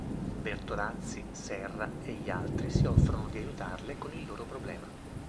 Bertolazzi, Serra e gli altri si offrono di aiutarle con il loro problema.